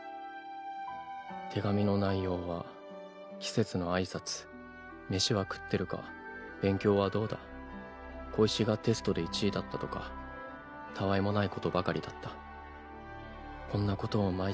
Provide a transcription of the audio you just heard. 手紙の内容は季節の挨拶飯は食ってるか勉強はどうだ小石がテストで１位だったとか「夕日次はいつ帰る？」。